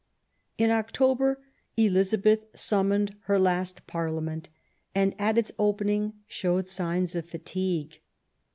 In October Elizabeth summoned her last Parlia ment, and at its opening showed signs of fatigue.